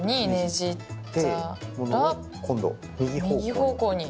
右方向に。